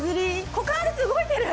股関節動いてる！